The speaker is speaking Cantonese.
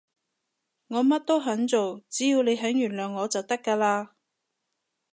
我乜都肯做，只要你肯原諒我就得㗎喇